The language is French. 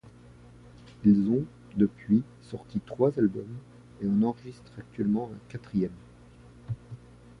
Ils ont depuis sorti trois albums et en enregistrent actuellement un quatrième.